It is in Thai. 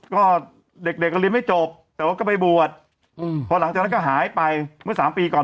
ก็เด็กเด็กก็เรียนไม่จบแต่ว่าก็ไปบวชพอหลังจากนั้นก็หายไปเมื่อสามปีก่อน